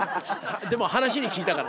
でも話に聞いたから。